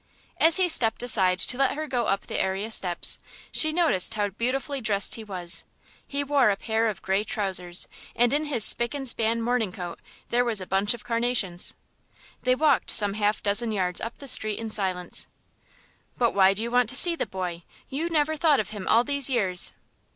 As he stepped aside to let her go up the area steps, she noticed how beautifully dressed he was. He wore a pair of grey trousers, and in his spick and span morning coat there was a bunch of carnations. They walked some half dozen yards up the street in silence. "But why do you want to see the boy? You never thought of him all these years."